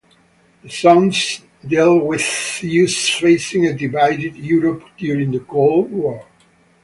The songs dealt with issues facing a divided Europe during the Cold War.